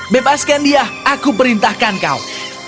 bebaskan dia aku perintahkan kau